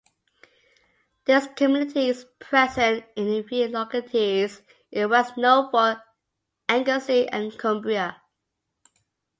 This community is present in a few localities in west Norfolk, Anglesey and Cumbria.